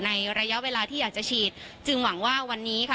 ในระยะเวลาที่อยากจะฉีดจึงหวังว่าวันนี้ค่ะ